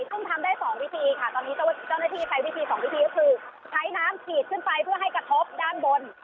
ซึ่งทำได้๒วิธีค่ะตอนนี้เจ้าหน้าที่ใช้วิธีสองวิธีก็คือใช้น้ำฉีดขึ้นไปเพื่อให้กระทบด้านบน